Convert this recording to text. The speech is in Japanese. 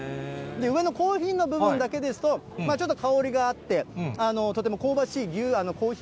上のコーヒーの部分だけですと、ちょっと香りがあって、とても香どうやって飲むの？